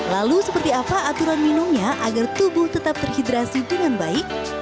lalu seperti apa aturan minumnya agar tubuh tetap terhidrasi dengan baik